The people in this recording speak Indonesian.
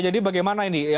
jadi bagaimana ini